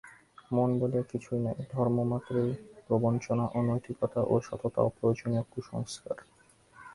মন বলিয়া কিছুই নাই, ধর্মমাত্রই প্রবঞ্চনা এবং নৈতিকতা ও সততা অপ্রয়োজনীয় কুসংস্কার।